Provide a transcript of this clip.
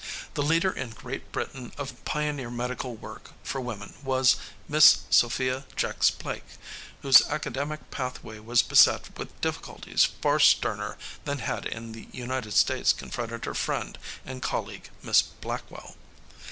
The leader in Great Britain of pioneer medical work for women was Miss Sophia Jex Blake, whose academic pathway was beset with difficulties far sterner than had in the United States confronted her friend and colleague, Miss Blackwell.